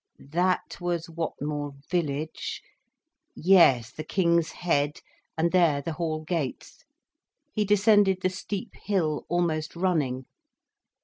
That was Whatmore Village—? Yes, the King's Head—and there the hall gates. He descended the steep hill almost running.